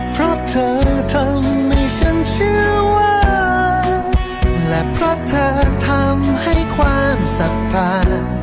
เพราะเธอทำให้ฉันเชื่อว่าและเพราะเธอทำให้ความศรัทธา